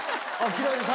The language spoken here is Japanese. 嫌いです